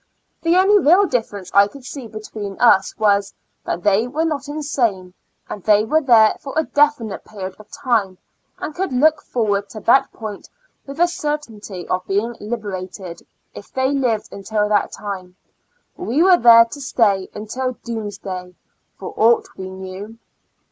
The only real difibrence I could see between us was, that they were not insane, and they were there for a definite period of time, and could look forward to that point with a certainty of being liberated, if they lived IN A L UNA TIC A STL UM. J 2 5 until that time; we were there to stay until doomsday, for ought we knew.